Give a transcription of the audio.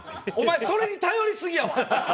お前それに頼りすぎやわ。